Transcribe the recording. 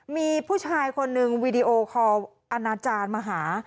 มีผู้ชายคนหนึ่งวีดีโอคอลอาณาจารย์มาหา